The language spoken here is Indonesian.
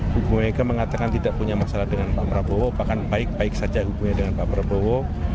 bu mega mengatakan tidak punya masalah dengan pak prabowo bahkan baik baik saja hubungannya dengan pak prabowo